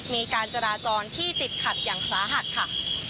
มีการจราจรที่ติดขัดอย่างสาหัสค่ะ